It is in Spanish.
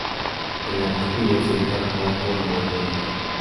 Y en la cúspide se ubica el cuarto de mando del barco.